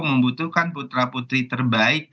membutuhkan putra putri terbaik